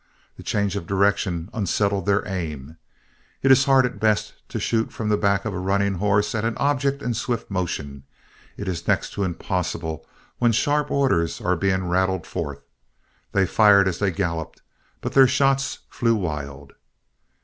The change of direction unsettled their aim. It is hard at best to shoot from the back of a running horse at an object in swift motion; it is next to impossible when sharp orders are being rattled forth. They fired as they galloped, but their shots flew wild.